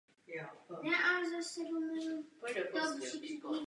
Nejprve byl jmenován poradcem francouzského premiéra Jacquese Chaban-Delmase.